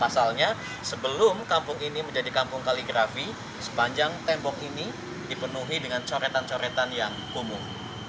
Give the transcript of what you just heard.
pasalnya sebelum kampung ini menjadi kampung kaligrafi sepanjang tembok ini dipenuhi dengan coretan coretan yang umum